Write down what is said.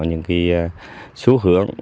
những cái xu hưởng